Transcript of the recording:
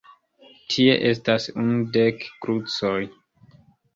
Tie estas unu-dek krucoj.